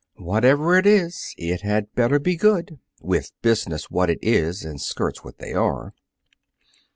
"Whatever it is, it had better be good with business what it is and skirts what they are."